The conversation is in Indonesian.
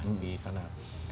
dan sudah mereka kirimkan